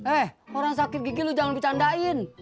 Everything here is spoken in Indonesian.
eh orang sakit gigi lu jangan dicandain